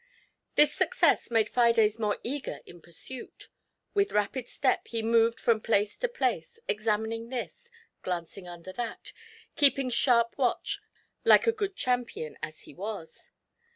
This success made Fides more eager in pursuit; with rapid step he moved from place to place, examining this, glancing under that, keeping sharp watch, like a good champion as he was.